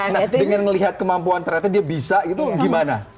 nah dengan melihat kemampuan ternyata dia bisa itu gimana